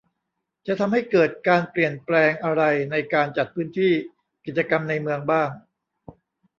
จะทำให้เกิดการเปลี่ยนแปลงอะไรในการจัดพื้นที่กิจกรรมในเมืองบ้าง